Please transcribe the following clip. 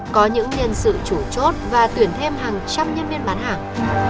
có những nhân sự chủ chốt và tuyển thêm hàng trăm nhân viên bán hàng